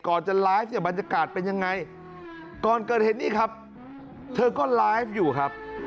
จะไลฟ์เนี่ยบรรยากาศเป็นยังไงก่อนเกิดเห็นนี่ครับเธอก็ไลฟ์อยู่ครับ